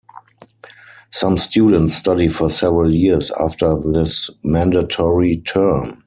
Some students study for several years after this mandatory term.